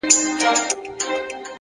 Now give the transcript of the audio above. علم د ژوند ارزښت لوړوي’